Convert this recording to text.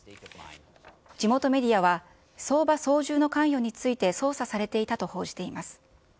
地元メディアは、相場操縦の関与について捜査されていたと報じています。